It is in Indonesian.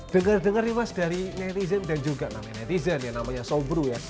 dengar dengar nih mas dari netizen dan juga namanya netizen yang namanya sobru ya